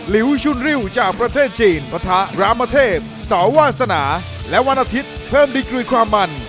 ลิวชุนริ้วจากประเทศจีนปะทะรามเทพเสาวาสนาและวันอาทิตย์เพิ่มดีกรีความมัน